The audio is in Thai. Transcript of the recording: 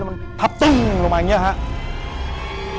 มันทับตึ้งลงมาอย่างนี้ครับ